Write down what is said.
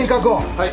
・はい！